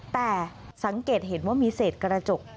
แต่สังเกตเห็นว่ามีเศษกระจก